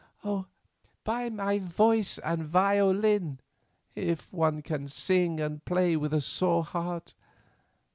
"By my voice and violin, if one can sing and play with a sore heart.